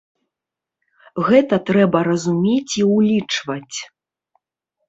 Гэта трэба разумець і ўлічваць.